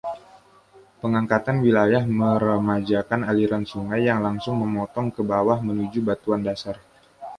Pengangkatan wilayah meremajakan aliran sungai yang langsung memotong ke bawah menuju batuan dasar.